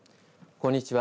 こんにちは。